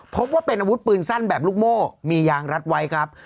พบว่าเป็นอาวุธปืนสั้นแบบลูกโม่มียางรัดไว้ครับ